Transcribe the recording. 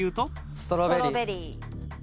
ストロベリー。